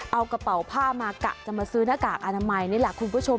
เอากระเป๋าผ้ามากะจะมาซื้อหน้ากากอนามัยนี่แหละคุณผู้ชม